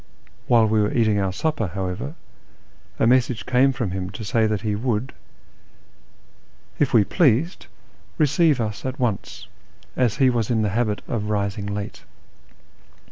While we were eating our supper, how ever, a message came from him to say that he would, if we pleased, receive us at once, as he was in the habit of rising late.